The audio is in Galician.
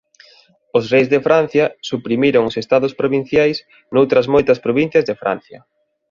Os reis de Francia suprimiron os estados provinciais noutras moitas provincias de Francia.